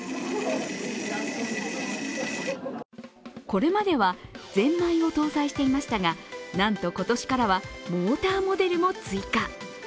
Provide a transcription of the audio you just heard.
これまではぜんまいを搭載していましたが、なんと今年からはモーターモデルも追加。